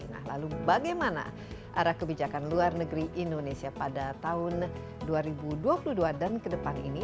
nah lalu bagaimana arah kebijakan luar negeri indonesia pada tahun dua ribu dua puluh dua dan ke depan ini